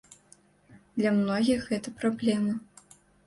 Для многіх гэта праблема.